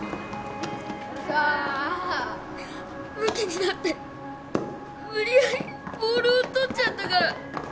よっしゃーむきになって無理やりボールを取っちゃったから。